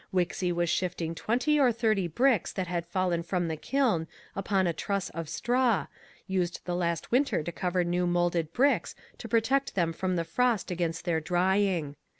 Wixy was shifting twenty or thirty bricks that had fallen from the kiln upon a truss of straw, used the last winter to cover new moulded bricks to protect them from the frost against their drying.